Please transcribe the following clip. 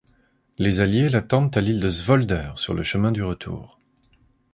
Les alliés l'attendent à l'île de Svolder sur le chemin du retour.